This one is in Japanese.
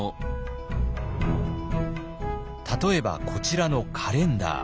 例えばこちらのカレンダー。